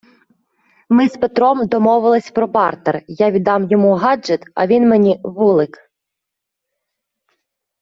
Ми з Петром домовились про бартер: я віддам йому гаджет, а він мені - вулик